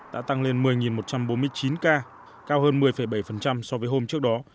đã tăng lên một mươi một trăm bốn mươi chín ca cao hơn một mươi bảy so với hôm trước đó